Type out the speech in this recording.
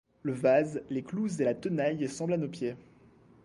Le vase, les clous et la tenaille semblent à nos pieds.